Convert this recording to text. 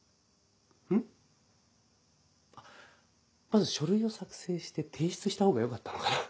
まず書類を作成して提出したほうがよかったのかな？